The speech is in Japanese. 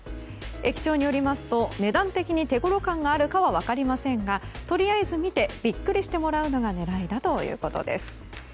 駅長によりますと値段的に手ごろ感があるかは分かりませんがとりあえず見てビックリしてもらうのが狙いだということです。